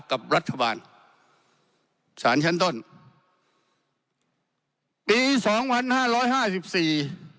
กับรัฐบาลศาลชันต้นปีสองพันห้าร้อยห้าร้อยห้าสิบสี่